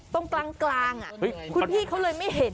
ตรงกลางคุณพี่เขาเลยไม่เห็น